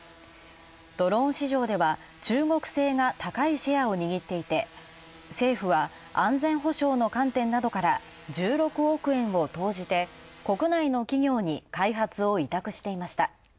ドローン市場では中国製が高いシェアを握っていて、政府は安全保障の観点などから、１６億円を投じて、国内の企業に開発を委託していました。